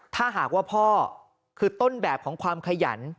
ถ้าหากว่าพ่อคือต้นแบบของความขยัน